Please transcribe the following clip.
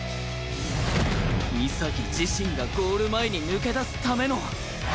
潔自身がゴール前に抜け出すための